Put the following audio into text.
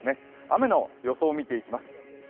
雨の予想、見ていきます。